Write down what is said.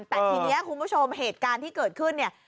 แต่ทีนี้คุณผู้ชมเหตุการณ์ที่เกิดขึ้นเนี่ย